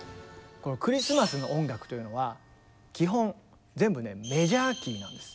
このクリスマスの音楽というのは基本全部ねメジャー・キーなんです。